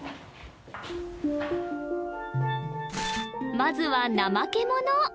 まずはナマケモノ